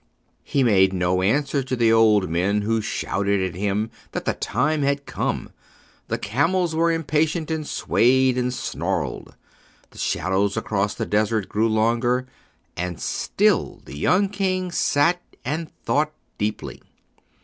He made no answer to the old men who shouted to him that the time had come. The camels were impatient and swayed and snarled. The shadows across the desert grew longer. And still the young king sat and thought deeply.